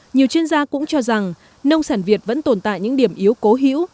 nhiều chuyên gia cũng cho rằng nông sản việt vẫn tồn tại những điểm yếu cố hữu